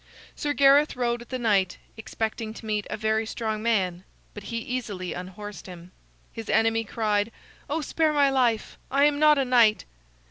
Sir Gareth rode at the knight, expecting to meet a very strong man, but he easily unhorsed him. His enemy cried: "Oh spare my life; I am not a knight."